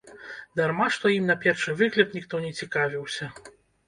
Дарма што ім на першы выгляд ніхто не цікавіўся.